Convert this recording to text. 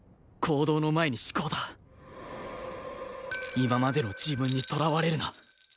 今までの自分にとらわれるな